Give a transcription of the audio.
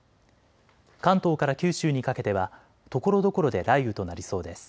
関東から九州にかけてはところどころで雷雨となりそうです。